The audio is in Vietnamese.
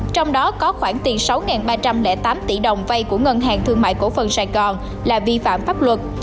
trong đó có khoảng tiền sáu ba trăm linh tám tỷ đồng vay của ngân hàng thương mại cổ phần sài gòn là vi phạm pháp luật